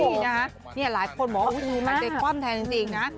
โอ้โฮนะฮะนี่หลายคนบอกว่าอุ๊ยมันอาจจะกว้ำแทนจริงนะ